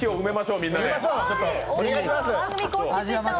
みんなで！